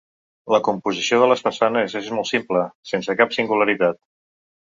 La composició de les façanes és molt simple sense cap singularitat.